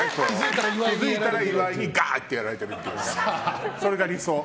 気づいたら岩井にガーッとやられてるっていうそれが理想。